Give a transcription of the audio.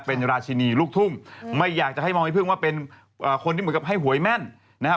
เป็นราชินีลูกทุ่งไม่อยากจะให้มองพี่พึ่งว่าเป็นคนที่เหมือนกับให้หวยแม่นนะครับ